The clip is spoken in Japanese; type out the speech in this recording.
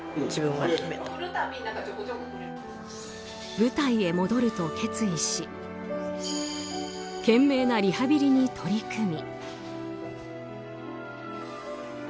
舞台へ戻ると決意し懸命なリハビリに取り組み。